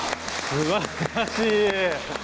すばらしい！